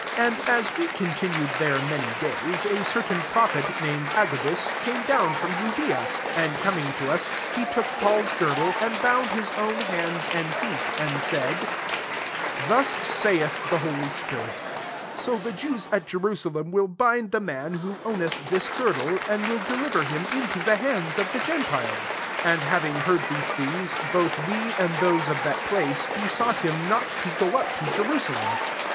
10 And as we continued there many days, a certain pro phet, named Agabus, came iown from Judea: 11 and com n g to us, he took Paul's girdle, md bound his own hands and Feet, and said, " Thus saith the lioly spirit :* So the Jews at Je rusalem will bind the man who 3wneth this girdle, and will deliver him into the hands of the gentiles.'" 12 And havi ng heard these things, both we, ind those of that place, be sought him not to go up to Jerusalem.